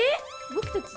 僕たち？